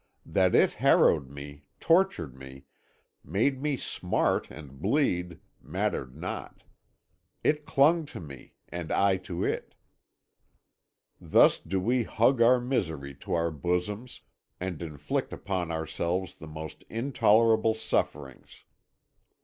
That it harrowed me, tortured me, made me smart and bleed, mattered not. It clung to me, and I to it. Thus do we hug our misery to our bosoms, and inflict upon ourselves the most intolerable sufferings.